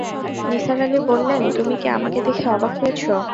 নিসার আলি বললেন, তুমি কি আমাকে দেখে অবাক হয়েছ?